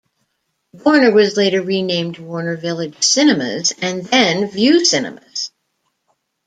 Warner was later renamed Warner Village Cinemas and then Vue Cinemas.